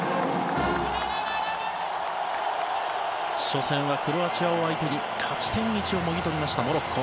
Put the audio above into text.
初戦はクロアチアを相手に勝ち点１をもぎ取りましたモロッコ。